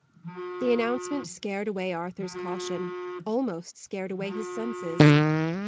The announcement scared away Arthur's caution; almost scared away his senses.